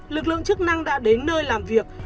lực lượng chức năng đã đến nơi làm việc